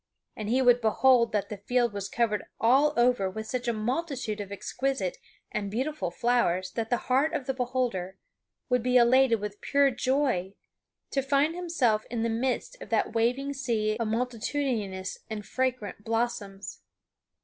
And he would behold that that field was covered all over with such a multitude of exquisite and beautiful flowers that the heart of the beholder would be elated with pure joy to find himself in the midst of that waving sea of multitudinous and fragrant blossoms.